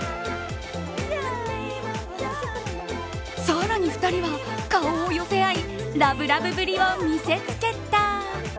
更に２人は顔を寄せ合いラブラブぶりを見せつけた。